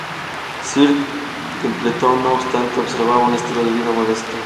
Sir Templeton, no obstante, observaba un estilo de vida modesto.